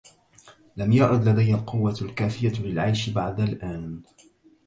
لم يعد لدي القوة الكافية للعيش بعد الآن.